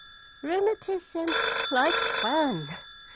"Rheumatism, like fun!"